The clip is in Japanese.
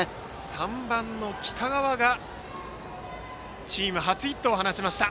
３番の北川がチーム初ヒットを放ちました。